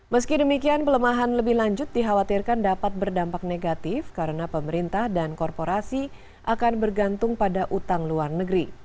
meski demikian pelemahan lebih lanjut dikhawatirkan dapat berdampak negatif karena pemerintah dan korporasi akan bergantung pada utang luar negeri